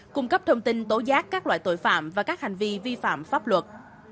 cung cấp thông tin tố giác các loại tội phạm và các hành vi vi phạm pháp luật